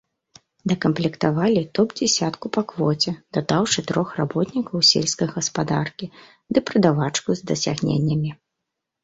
Дакамплектавалі топ-дзясятку па квоце, дадаўшы трох работнікаў сельскай гаспадаркі ды прадавачку з дасягненнямі.